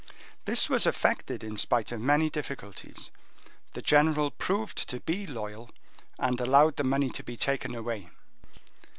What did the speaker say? This was effected in spite of many difficulties: the general proved to be loyal, and allowed the money to be taken away."